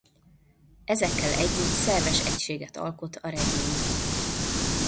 Ezekkel együtt szerves egységet alkot a regény.